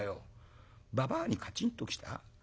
ばばあにカチンときた？